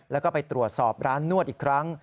แล้วก็ไปตรวจสอบร้านนวดอีกครั้ง